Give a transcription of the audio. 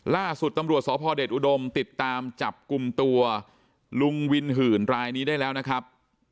ล่าสุดตำรวจสพเดชอุดมติดตามจับกลุ่มตัวลุงวินหื่นรายนี้ได้แล้วนะครับ